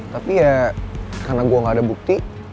tapi ya karena gue gak ada bukti